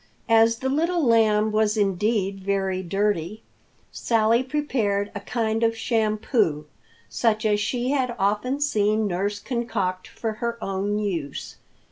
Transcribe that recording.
As the Little Lamb was indeed very dirty, Sally prepared a kind of shampoo, such as she had often seen nurse concoct for her own use.